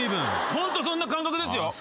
ホントそんな感覚ですよ。